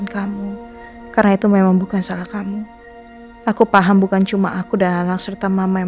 kamu karena itu memang bukan salah kamu aku paham bukan cuma aku dan anak serta mama yang